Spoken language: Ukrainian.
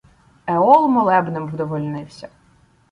Еол молебнем вдовольнився